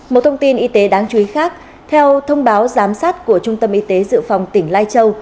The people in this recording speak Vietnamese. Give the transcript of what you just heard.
một thông tin y tế đáng chú ý khác theo thông báo giám sát của trung tâm y tế dự phòng tỉnh lai châu